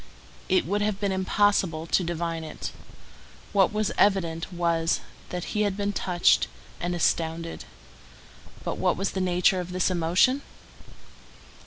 It would have been impossible to divine it. What was evident was, that he was touched and astounded. But what was the nature of this emotion?